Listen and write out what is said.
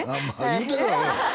言うてるわおい！